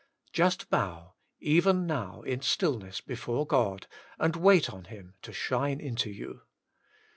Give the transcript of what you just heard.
Just bow, even now, in stillness before God, and wait on Him to shine into you.